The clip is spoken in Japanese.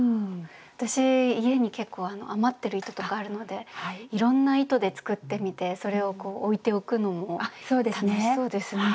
私家に結構余ってる糸とかあるのでいろんな糸で作ってみてそれを置いておくのも楽しそうですね。